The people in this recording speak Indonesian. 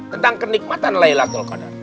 tentang kenikmatan laylatul qadar